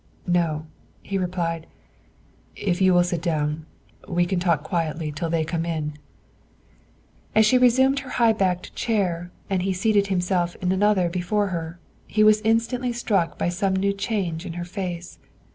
"No," he replied. "If you will sit down, we can talk quietly till they come in." As she resumed her high backed chair and he seated himself in another before her, he was instantly struck by some new change in her face.